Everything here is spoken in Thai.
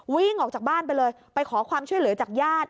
วิ่งออกจากบ้านไปเลยไปขอความช่วยเหลือจากญาติ